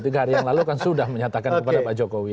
tiga hari yang lalu kan sudah menyatakan kepada pak jokowi